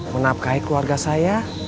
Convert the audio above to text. menapkahi keluarga saya